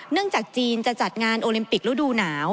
จากจีนจะจัดงานโอลิมปิกฤดูหนาว